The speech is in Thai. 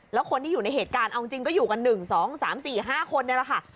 แล้วคนที่อยู่ในเหตุการณ์เอาจริงจริงก็อยู่กันหนึ่งสองสามสี่ห้าคนนี่แหละค่ะ